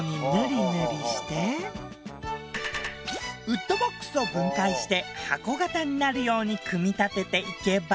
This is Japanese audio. ウッドボックスを分解して箱型になるように組み立てていけば。